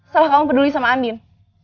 setelah kamu peduliin sama andin